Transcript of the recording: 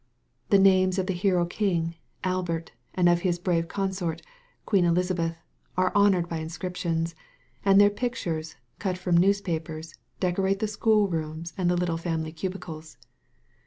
The names of the hero king, Albert, and of his brave consort. Queen Elizabeth, are honored by inscriptions, and their pictures, cut from news papers, decorate the schoolrooms and the little family cubicles.